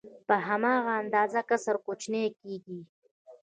په هماغه اندازه کسر کوچنی کېږي